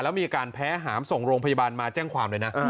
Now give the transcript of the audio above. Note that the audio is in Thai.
แล้วมีอาการแพ้หามส่งโรงพยาบาลมาแจ้งความเลยนะ